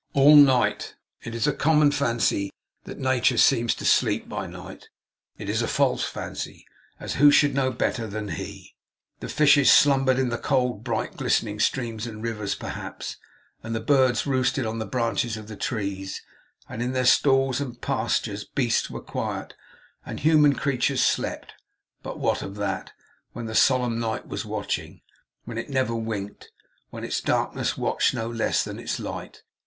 All night! It is a common fancy that nature seems to sleep by night. It is a false fancy, as who should know better than he? The fishes slumbered in the cold, bright, glistening streams and rivers, perhaps; and the birds roosted on the branches of the trees; and in their stalls and pastures beasts were quiet; and human creatures slept. But what of that, when the solemn night was watching, when it never winked, when its darkness watched no less than its light!